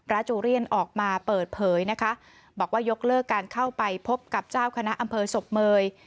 จูเรียนออกมาเปิดเผยนะคะบอกว่ายกเลิกการเข้าไปพบกับเจ้าคณะอำเภอศพเมย